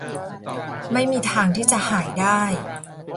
ไม่มีทางที่จะหายได้